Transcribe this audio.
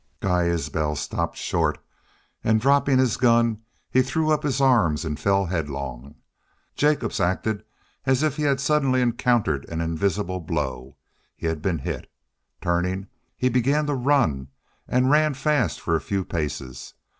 Guy Isbel stopped short, and, dropping his gun, he threw up his arms and fell headlong. Jacobs acted as if he had suddenly encountered an invisible blow. He had been hit. Turning, he began to run and ran fast for a few paces.